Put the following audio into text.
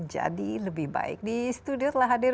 jadi dua duanya itu metal ya